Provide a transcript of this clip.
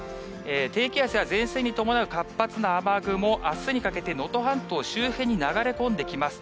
低気圧や前線に伴う活発な雨雲、あすにかけて能登半島周辺に流れ込んできます。